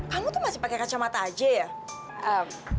kamu tuh masih pake kacamata aja ya